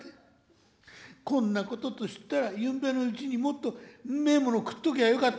こんなことと知ったらゆんべのうちにもっとうめえもの食っときゃよかった」。